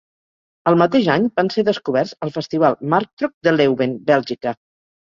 El mateix any van ser descoberts al festival Marktrock de Leuven, Bèlgica.